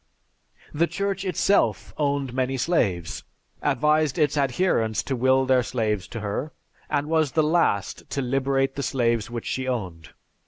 The Church itself owned many slaves, advised its adherents to will their slaves to her, and was the last to liberate the slaves which she owned.